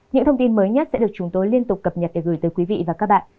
những thông tin mới nhất sẽ được chúng tôi liên tục cập nhật để gửi tới quý vị và các bạn